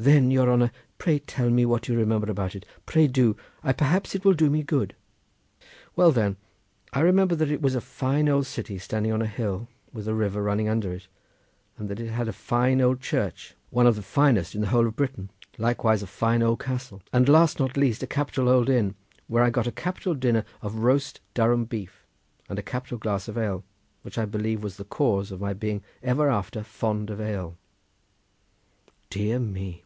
"Then, your honour, pray tell us what you remember about it—pray do! perhaps it will do me good." "Well, then, I remember that it was a fine old city standing on a hill with a river running under it, and that it had a fine old church, one of the finest in the whole of Britain; likewise a fine old castle; and last, not least, a capital old inn, where I got a capital dinner off roast Durham beef, and a capital glass of ale, which I believe was the cause of my being ever after fond of ale." "Dear me!